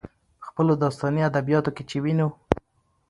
په خپلو داستاني ادبياتو کې چې وينو،